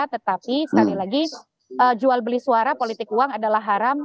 tetapi sekali lagi jual beli suara politik uang adalah haram